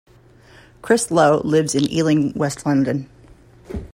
Chris Lowe lives in Ealing, West London.